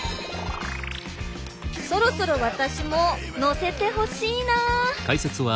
そろそろ私も乗せてほしいな。